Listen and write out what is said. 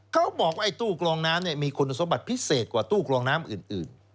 เขาบอกว่าตู้กรองน้ำมีคุณสมบัติพิเศษกว่าตู้กรองน้ำอื่น